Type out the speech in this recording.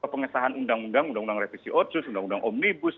pengesahan undang undang undang revisi otsus undang undang omnibus